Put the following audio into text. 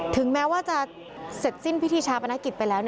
ถึงแม้ว่าจะเสร็จสิ้นพิธีชาปนกิจไปแล้ว